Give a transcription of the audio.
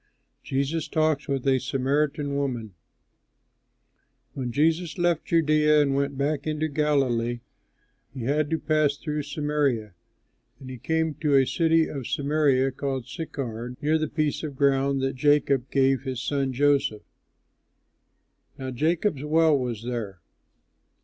JESUS TALKS WITH A SAMARITAN WOMAN When Jesus left Judea and went back into Galilee, he had to pass through Samaria; and he came to a city of Samaria called Sychar, near the piece of ground that Jacob gave his son Joseph. Now Jacob's well was there.